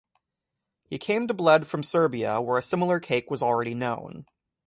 He came to Bled from Serbia where a similar cake was already known.